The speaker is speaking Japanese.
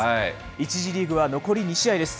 １次リーグは残り２試合です。